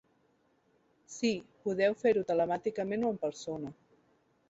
Sí, podeu fer-ho telemàticament o en persona.